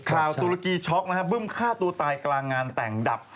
ข่าวตุรกีช็อกนะครับเบิ้มฆ่าตัวตายกรางงานแต่งดับ๕๑สม